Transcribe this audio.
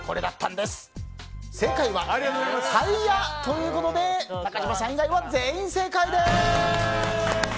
正解はタイヤということで中島さん以外は全員正解です。